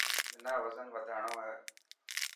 منا وزن وڌاڻو هي.